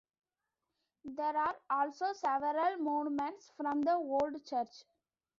There are also several monuments from the old church.